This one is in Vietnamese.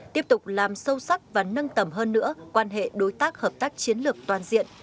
tiếp tục làm sâu sắc và nâng tầm hơn nữa quan hệ đối tác hợp tác chiến lược toàn diện